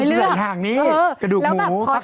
มันมีน้ำติ๊กหลายอย่างนี่กระดูกหมูตะขอมะเขือเทศ